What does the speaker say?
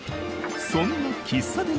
そんな喫茶店